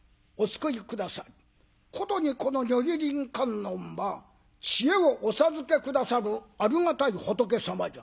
ことにこの如意輪観音は知恵をお授け下さるありがたい仏様じゃ」。